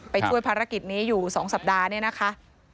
ไปช่วยภารกิจนี้อยู่๒สัปดาห์เนี่ยนะคะ